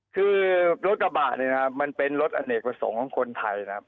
คือรถกระบะนี่นะครับมันเป็นรถอเนกประสงค์ของคนไทยนะครับ